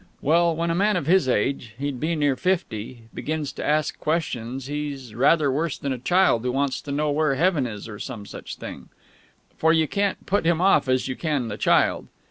Well, when a man of his age he'd be near fifty begins to ask questions, he's rather worse than a child who wants to know where Heaven is or some such thing for you can't put him off as you can the child.